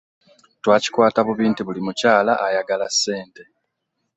Twakikwata bubi nti buli mukyala ayagala ssente.